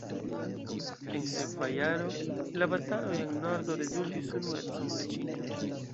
En sekva jaro, la bataloj en nordo rezultis unuecon de Ĉinio.